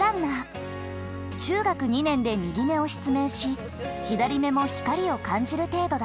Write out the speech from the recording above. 中学２年で右目を失明し左目も光を感じる程度だ。